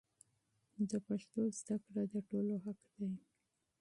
د پښتو تعلیم د ټولو حق دی.